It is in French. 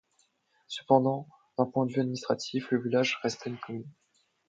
Cependant, d'un point de vue administratif, le village resta une commune.